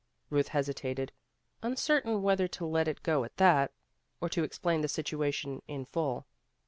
Ruth hesitated, uncertain whether to let it go at that, or to explain the situation in full.